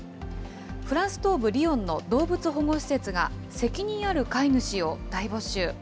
フランス東部リヨンの動物保護施設が、責任ある飼い主を大募集。